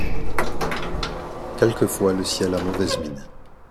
Quelquefois le ciel a mauvaise mine.